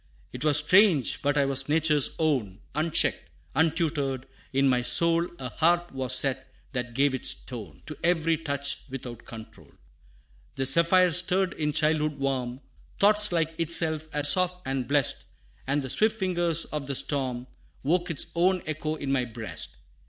'Twas strange, but I was nature's own, Unchecked, untutored; in my soul A harp was set that gave its tone To every touch without control. The zephyr stirred in childhood warm, Thoughts like itself, as soft and blest; And the swift fingers of the storm Woke its own echo in my breast.